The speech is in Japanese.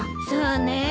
そうね。